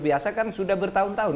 biasa kan sudah bertahun tahun